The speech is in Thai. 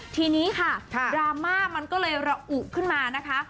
ทีนี้ค่ะดราม่ามันก็เลยระอุขึ้นมานะคะ